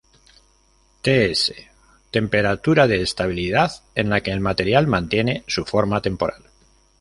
Ts: temperatura de estabilidad, en la que el material mantiene su forma temporal.